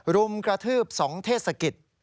รุมกระทืบ๒เทศกิจ